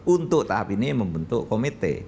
untuk tahap ini membentuk komite